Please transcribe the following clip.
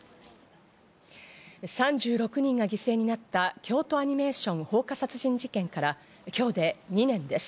３６人が犠牲になった京都アニメーション放火殺人事件から今日で２年です。